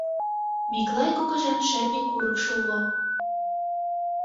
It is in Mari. Миклай кугыжан шӧртньӧ курыкшо уло.